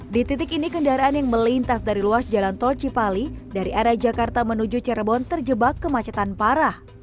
di titik ini kendaraan yang melintas dari luas jalan tol cipali dari arah jakarta menuju cirebon terjebak kemacetan parah